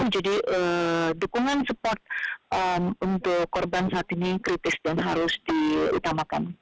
jadi dukungan support untuk korban saat ini kritis dan harus diutamakan